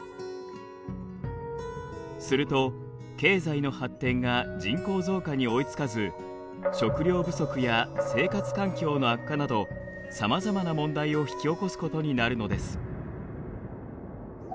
すると経済の発展が人口増加に追いつかず食料不足や生活環境の悪化などさまざまな問題を引き起こすことになるのです。